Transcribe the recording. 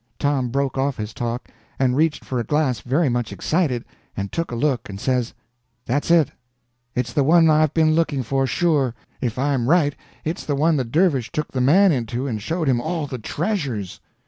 Tom broke off his talk, and reached for a glass very much excited, and took a look, and says: "That's it—it's the one I've been looking for, sure. If I'm right, it's the one the dervish took the man into and showed him all the treasures."